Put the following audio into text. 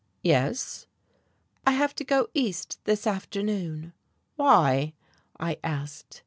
"Yes." "I have to go East this afternoon." "Why?" I asked.